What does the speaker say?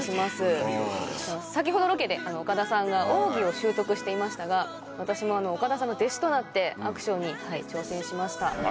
先ほどロケで岡田さんが奥義を習得していましたが私も岡田さんの弟子となってアクションに挑戦しました。